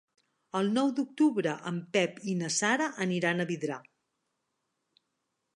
El nou d'octubre en Pep i na Sara aniran a Vidrà.